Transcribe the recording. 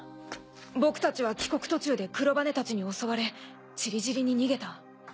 僕たちは帰国途中でクロバネたちに襲われ散り散りに逃げた。